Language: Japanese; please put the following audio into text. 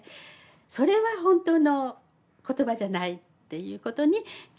それは本当の言葉じゃないっていうことに気が付いて。